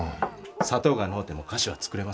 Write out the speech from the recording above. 砂糖がのうても菓子は作れますよ。